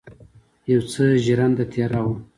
یو څه ژرنده تېره وه.